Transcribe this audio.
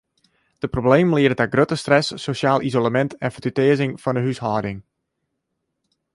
De problemen liede ta grutte stress, sosjaal isolemint en fertutearzing fan de húshâlding.